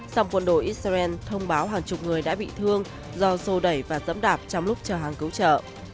song quân đội israel thông báo hàng chục người đã bị thương do sô đẩy và dẫm đạp trong lúc chờ hàng cứu trợ